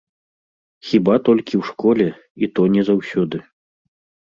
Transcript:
Хіба толькі ў школе, і то не заўсёды.